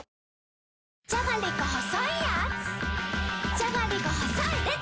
じゃがりこ細いでた‼